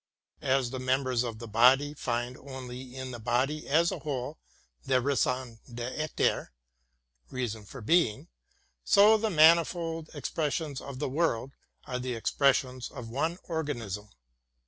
As the members of the body find only in the body as a whole their raison d'etre, so the manifold ex pressions of the world are the expressions of one organism.